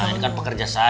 ini kan pekerja saya